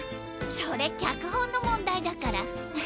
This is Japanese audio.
それ脚本の問題だから。